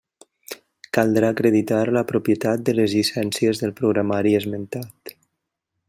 Caldrà acreditar la propietat de les llicències del programari esmentat.